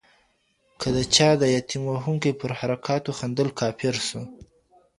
که چا د تيمم وهونکي پر حرکاتو خندل، کافر سو